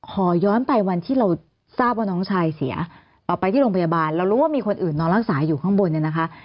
ขอย้อนไปวันที่เราทราบว่าน้องชายเสียไปที่โรงพยาบาลเรารู้ว่ามีคนอื่นนอนรักษาอยู่ข้างบนเนี่ยนะคะ